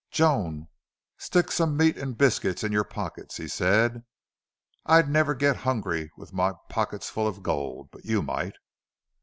"Joan, stick some meat and biscuits in your pockets," he said. "I'd never get hungry with my pockets full of gold. But you might."